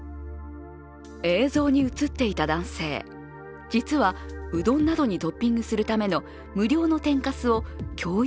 映像に映っていた男性、実はうどんなどにトッピングするための無料の天かすを共有